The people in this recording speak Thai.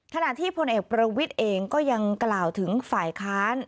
ขณะที่พลเอกประวิทย์เองก็ยังกล่าวถึงฝ่ายค้าน